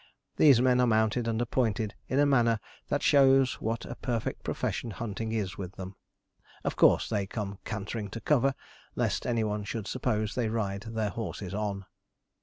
These men are mounted and appointed in a manner that shows what a perfect profession hunting is with them. Of course, they come cantering to cover, lest any one should suppose they ride their horses on.